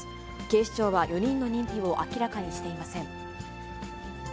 警視庁は４人の認否を明らかにしていません。